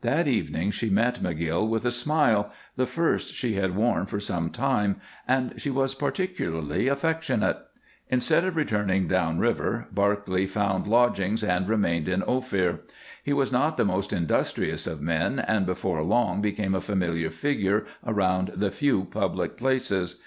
That evening she met McGill with a smile, the first she had worn for some time, and she was particularly affectionate. Instead of returning down river, Barclay found lodgings and remained in Ophir. He was not the most industrious of men, and before long became a familiar figure around the few public places.